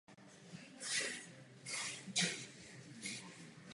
V průběhu nahrávání debutového alba došlo k první změně ve složení skupiny.